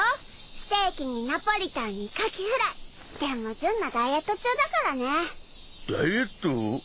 ステーキにナポリタンにカキフライでも純粋愛ダイエット中だからねダイエット？